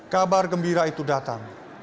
kabar gembira itu datang